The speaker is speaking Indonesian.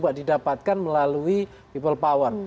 juga didapatkan melalui people power